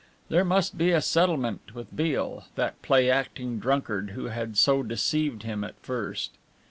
There must be a settlement with Beale, that play acting drunkard, who had so deceived him at first.